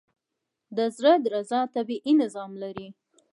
د زړه درزا طبیعي نظام لري.